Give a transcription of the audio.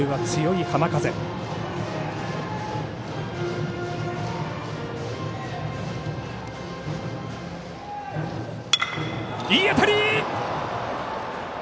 いい当たり！